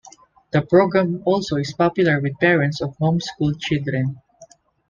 The program also is popular with parents of home-schooled children.